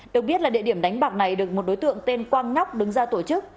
được biết là địa điểm đánh bạc này được một đối tượng tên quang nóc đứng ra tổ chức